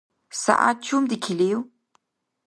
СягӀят чум дикилив?